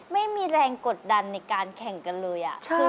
ไม่มีแรงกดดันในการแข่งกันเลย